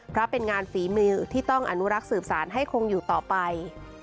เพราะเป็นงานฝีมือที่ต้องอนุรักษ์สืบสารให้คงอยู่ต่อไป